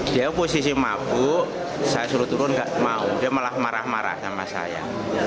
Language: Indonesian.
dia posisi mabuk saya suruh turun nggak mau dia malah marah marah sama saya